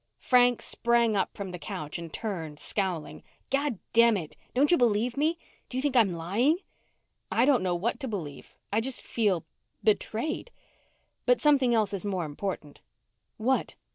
Frank sprang up from the couch and turned, scowling. "Goddamn it! Don't you believe me? Do you think I'm lying?" "I don't know what to believe. I just feel betrayed. But something else is more important." "What?"